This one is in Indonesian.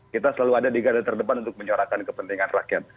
kita selalu ada di gada terdepan untuk menyuarakan kepentingan rakyat